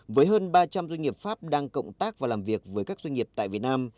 với hơn ba trăm linh doanh nghiệp pháp đang cộng tác và làm việc với các doanh nghiệp tại việt nam